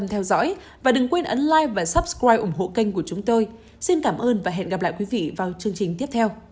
hẹn gặp lại